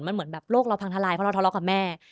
มันเหมือนแบบโลกเราพังทลายเพราะเราทะเลาะกับแม่